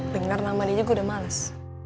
dengar nama dia juga udah males